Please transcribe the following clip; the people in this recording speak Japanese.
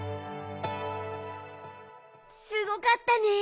すごかったね。